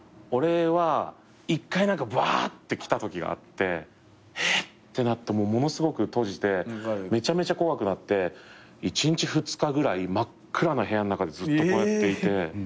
俺は１回ぶわってきたときがあってえっ！？ってなってものすごく閉じてめちゃめちゃ怖くなって１日２日ぐらい真っ暗な部屋の中でずっとこうやっていて。